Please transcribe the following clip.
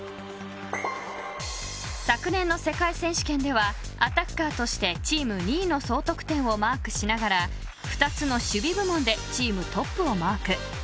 ［昨年の世界選手権ではアタッカーとしてチーム２位の総得点をマークしながら２つの守備部門でチームトップをマーク］